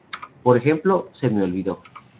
Por ejemplo: "me se olvidó".